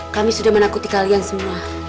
kami sudah menakuti kalian semua